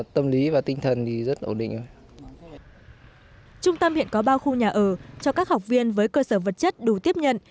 trung tâm hiện có ba khu nhà ở cho các học viên với cơ sở vật chất đủ tiếp nhận